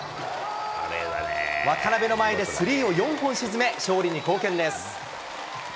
渡邊の前でスリーを４本沈め、勝利に貢献です。